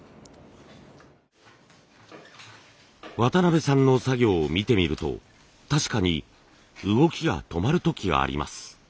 渡辺さんの作業を見てみると確かに動きが止まる時があります。